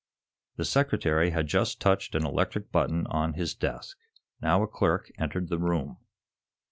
The Secretary had just touched an electric button on his desk. Now a clerk entered the room.